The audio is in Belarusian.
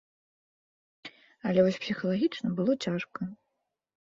Але вось псіхалагічна было цяжка.